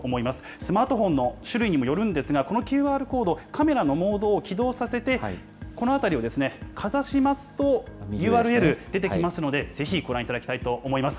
スマートフォンの種類にもよるんですが、このＱＲコード、カメラのモードを起動させて、この辺りをかざしますと、ＵＲＬ出てきますんで、ぜひご覧いただきたいと思います。